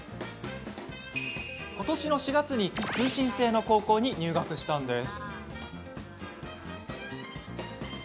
ことしの４月に通信制の高校に入学したんです。